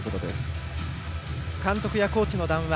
監督やコーチの談話